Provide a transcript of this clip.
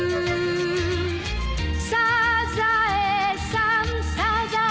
「サザエさんサザエさん」